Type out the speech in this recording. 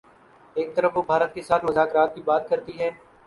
ایک طرف وہ بھارت کے ساتھ مذاکرات کی بات کرتی ہے۔